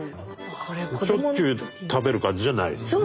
しょっちゅう食べる感じじゃないですね。